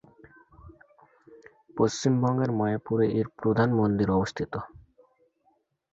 পশ্চিমবঙ্গের মায়াপুরে এর প্রধান মন্দির অবস্থিত।